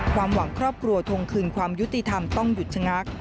ความหวังครอบครัวทงคืนความยุติธรรมต้องหยุดชะงัก